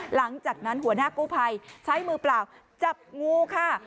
หลังจากนั้นหัวหน้ากู้ภัยใช้มือเปล่าจับงูค่ะ